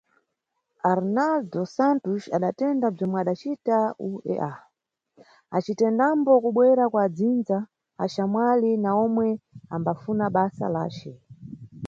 Arnaldo Santos adatenda bzwomwe adacita UEA, acitendambo kubwera kwa dzindza, axamwali na omwe ambafuna basa lace.